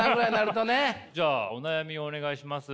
じゃあお悩みお願いします。